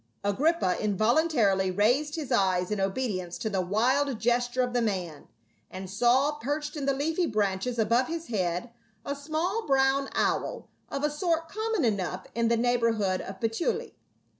Agrippa involuntarily raised his eyes in obedience to the wild gesture of the man, and saw, perched in the leafy branches above his head, a small brown owl of a sort common enough in the neighborhood of Puteoli.